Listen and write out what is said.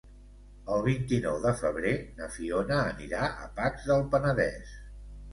El vint-i-nou de febrer na Fiona anirà a Pacs del Penedès.